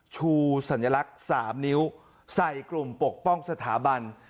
ชูสัญลักษณ์๓นิ้วใส่กลุ่มปกป้องสถาบัน